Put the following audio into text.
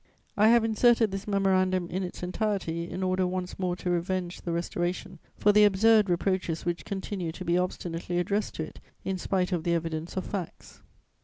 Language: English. I have inserted this Memorandum in its entirety in order once more to revenge the Restoration for the absurd reproaches which continue to be obstinately addressed to it, in spite of the evidence of facts.